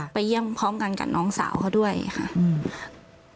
ไปเยี่ยมพร้อมกันกับน้องสาวเขาด้วยค่ะอืม